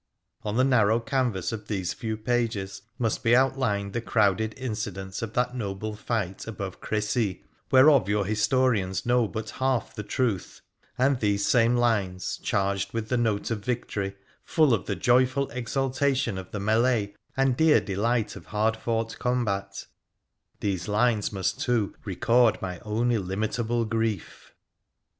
On the narrow canvas of these few pages must be outlined the crowded incidents of that noble fight above Crecy, whereof your historians know but half the truth, and these same lines, charged with the note of victory, full of the joyful exultation of the melee and dear delight of hard fought combat — these lines must, too, record my own illimit able grief.